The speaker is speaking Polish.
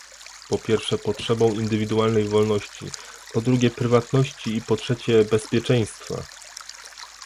po pierwsze potrzebą indywidualnej wolności, po drugie prywatności i po trzecie, bezpieczeństwa